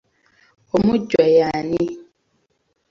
Omujjwa ye ani?